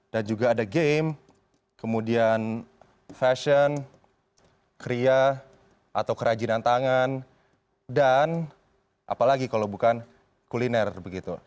dan juga ada game kemudian fashion kriya atau kerajinan tangan dan apalagi kalau bukan kuliner begitu